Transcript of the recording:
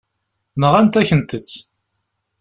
Nɣant-akent-t.